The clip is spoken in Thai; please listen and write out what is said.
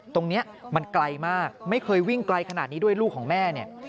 ตรงนี้มันไกลมากไม่เคยวิ่งไกลขนาดนี้ด้วยลูกของแม่เนี่ย